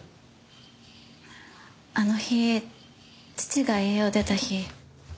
あの日父が家を出た日。